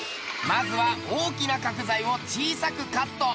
まずは大きな角材を小さくカット。